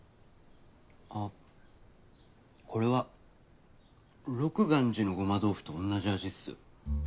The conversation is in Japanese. あっこれは禄願寺のごま豆腐とおんなじ味っす。